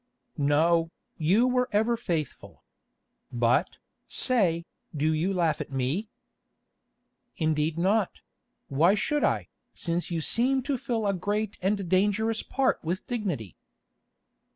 "No, you were ever faithful. But, say, do you laugh at me?" "Indeed not; why should I, since you seem to fill a great and dangerous part with dignity?"